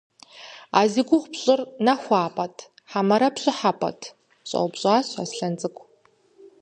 - А зи гугъу пщӏыр нэхуапӏэт хьэмэрэ пщӏыхьэпӏэт? – щӏэупщӏащ Аслъэн цӏыкӏу.